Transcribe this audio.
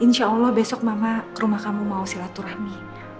insya allah besok mama ke rumah kamu mau silaturahmi